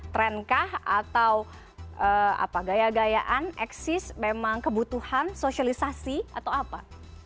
trend kah atau apa gaya gayaan eksis memang kebutuhan sosialisasi atau apa